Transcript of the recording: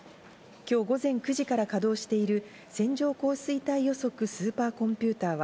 今日午前９時から稼働している線状降水帯予測スーパーコンピュータは